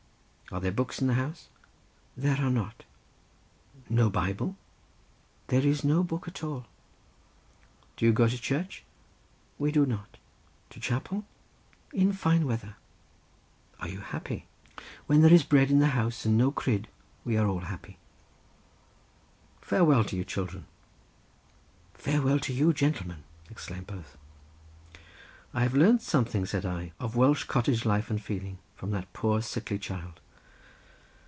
"Are there any books in the house?" "There are not." "No Bible?" "There is no book at all." "Do you go to church?" "We do not." "To chapel?" "In fine weather." "Are you happy?" "When there is bread in the house and no cryd we are all happy." "Farewell to you, children." "Farewell to you, gentleman!" exclaimed both. "I have learnt something," said I, "of Welsh cottage life and feeling from that poor sickly child."